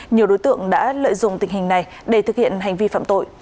nhiều đối tượng đã lợi dụng tình hình này để thực hiện hành vi phạm tội